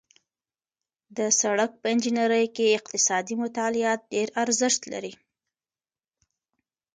د سړک په انجنیري کې اقتصادي مطالعات ډېر ارزښت لري